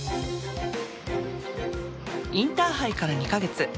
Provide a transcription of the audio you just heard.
インターハイから２か月。